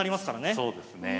そうですね。